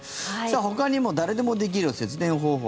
ほかにも誰でもできる節電方法